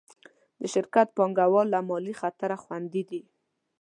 د شرکت پانګهوال له مالي خطره خوندي دي.